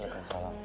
ya kasih salam